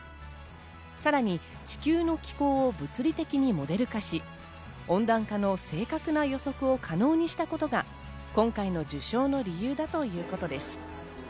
さらに、地球の気候を物理的にモデル化し、温暖化の正確な予測を可能にしたことが今回の受賞の理由だということです。